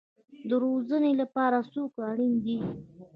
د روزنې لپاره څوک اړین دی؟